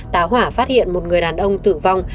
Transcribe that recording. tá hỏa phát hiện một người đàn ông tử vong